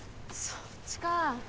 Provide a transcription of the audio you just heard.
そっちかぁ。